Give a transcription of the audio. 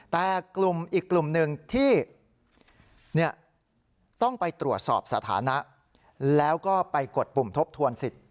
แต่กลุ่มอีกกลุ่มหนึ่งที่ต้องไปตรวจสอบสถานะแล้วก็ไปกดปุ่มทบทวนสิทธิ